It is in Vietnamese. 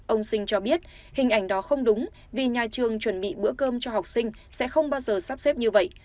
ông sinh cho biết hình ảnh đó không đúng vì nhà trường chuẩn bị bữa cơm cho học sinh sẽ không bao giờ sắp xếp như vậy